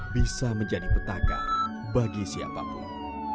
bisa menjadi petaka bagi siapapun